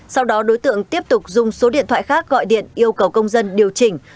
sau đó đối tượng tiếp tục dùng số điện thoại khác gọi điện yêu cầu công dân điều chỉnh